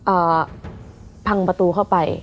อ่าพังประตูเข้าไป